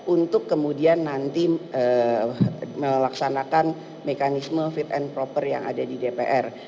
untuk kemudian nanti melaksanakan mekanisme fit and proper yang ada di dpr